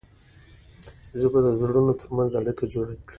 ژبه د زړونو ترمنځ اړیکه جوړه کړي